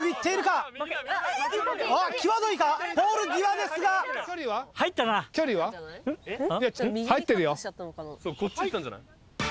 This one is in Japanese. そうこっち行ったんじゃない？